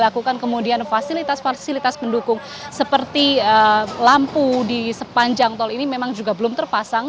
dilakukan kemudian fasilitas fasilitas pendukung seperti lampu di sepanjang tol ini memang juga belum terpasang